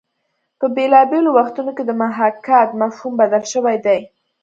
په بېلابېلو وختونو کې د محاکات مفهوم بدل شوی دی